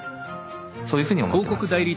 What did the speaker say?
そういうふうに思ってます。